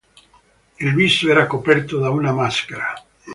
Il viso era coperto da una maschera.